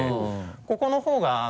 ここの方が。